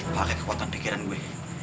pakai kekuatan pikiran gue